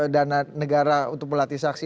dana negara untuk melatih saksi